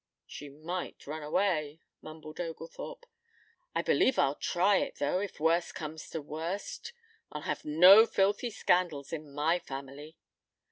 "She might run away," rumbled Oglethorpe. "I believe I'll try it, though, if worse comes to worst. I'll have no filthy scandals in my family."